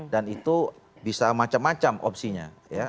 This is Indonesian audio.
dan itu bisa macam macam opsinya